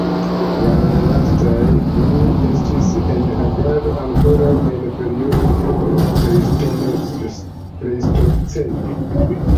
La lastaj du estis en agado ankoraŭ en periodo de plejstoceno.